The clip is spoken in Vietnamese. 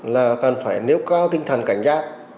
là cần phải nếu có tinh thần cảnh giác